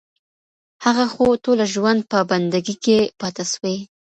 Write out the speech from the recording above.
هغه خو ټوله ژوند په بندګي كي پــاته سـوى